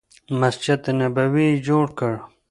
مسجد نبوي یې جوړ کړ.